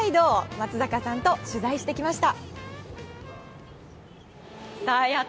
松坂さんと取材してきました。